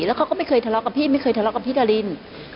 แล้วเขาก็ไม่เคยทะเลาะกับพี่ไม่เคยทะเลาะกับพี่ดาริน